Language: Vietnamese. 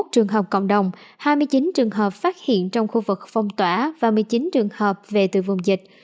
hai mươi trường hợp cộng đồng hai mươi chín trường hợp phát hiện trong khu vực phong tỏa và một mươi chín trường hợp về từ vùng dịch